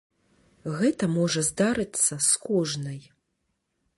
Гэта можа здарыцца з кожнай.